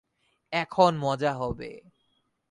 এখন মজা হবে।